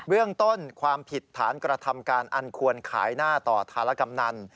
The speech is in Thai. เรื่องต้นความผิดฐานกระทำการอันควรขายหน้าต่อธารกำนัน